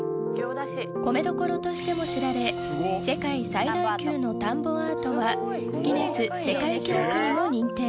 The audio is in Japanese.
米どころとしても知られ世界最大級の田んぼアートはギネス世界記録にも認定。